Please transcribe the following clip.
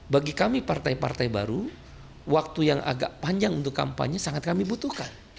bagi kami partai partai baru waktu yang agak panjang untuk kampanye sangat kami butuhkan